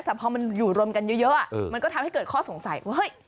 แต่พอมันอยู่รวมกันเยอะมันก็ทำให้เกิดข้อสงสัยว่าเฮ้ย